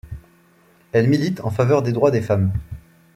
Elle milite en faveur des droits des femmes.